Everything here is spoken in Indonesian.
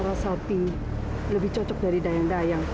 larasati lebih cocok dari dayang dayang